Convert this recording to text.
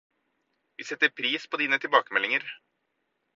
Vi setter pris på dine tilbakemeldinger.